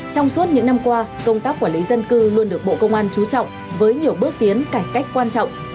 trong suốt những năm qua công tác quản lý dân cư luôn được bộ công an trú trọng với nhiều bước tiến cải cách quan trọng